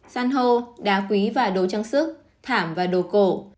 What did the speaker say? san hô đá quý và đồ trang sức thảm và đồ cổ